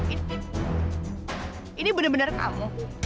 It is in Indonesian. ini kamu wik ini benar benar kamu